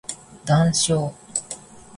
談笑